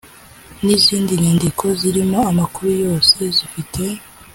N izindi nyandiko zirimo amakuru yose zifite